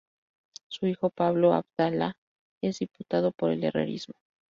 Su hijo Pablo Abdala es diputado por el Herrerismo.